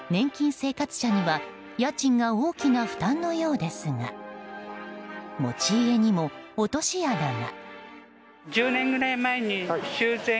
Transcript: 生活者には家賃が大きな負担のようですが持ち家にも落とし穴が。